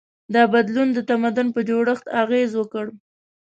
دا بدلون د تمدن په جوړښت اغېز وکړ.